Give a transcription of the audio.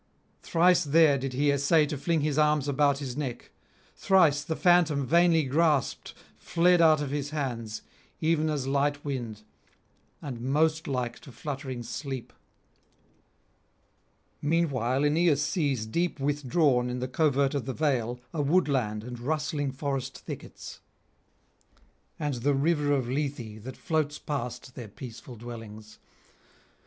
Thrice there did he essay to fling his arms about his neck; thrice the phantom vainly grasped fled out of his hands even as light wind, and most like to fluttering sleep. Meanwhile Aeneas sees deep withdrawn in the covert of the vale a woodland and rustling forest thickets, and the river of Lethe that floats past their peaceful dwellings.